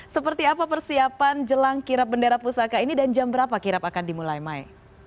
seperti apa persiapan jelang kirap bendera pusaka ini dan jam berapa kirap akan dimulai mai